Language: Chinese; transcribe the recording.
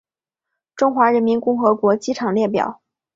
中华人民共和国机场列表